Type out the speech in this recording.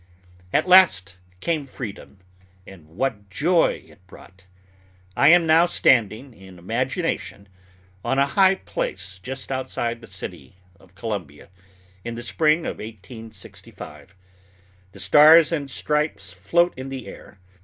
At last came freedom. And what joy it brought! I am now standing, in imagination, on a high place just outside the city of Columbia, in the spring of 1865. The stars and stripes float in the air.